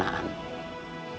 kamu yang mengambil keputusan